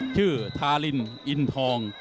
ชื่อทารินอินทอง